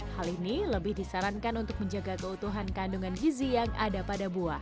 hal ini lebih disarankan untuk menjaga keutuhan kandungan gizi yang ada pada buah